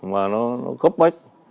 mà nó gấp bách